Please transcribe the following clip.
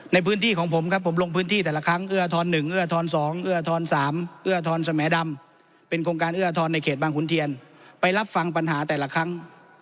ในพื้นที่ของผมครับผมลงพื้นที่แต่ละครั้งเอื้อทร๑เอื้อทร๒เอื้อทร๓เอื้อทรสมดำเป็นโครงการเอื้อทรในเขตบางขุนเทียนไปรับฟังปัญหาแต่ละครั้ง